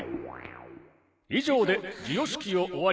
以上で授与式を終わります。